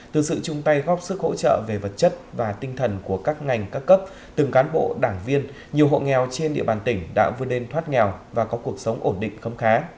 từ sự chung tay góp sức hỗ trợ về vật chất và tinh thần của các ngành các cấp từng cán bộ đảng viên nhiều hộ nghèo trên địa bàn tỉnh đã vươn lên thoát nghèo và có cuộc sống ổn định khấm khá